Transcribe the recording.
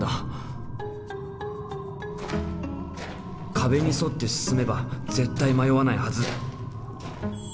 壁に沿って進めば絶対迷わないはず！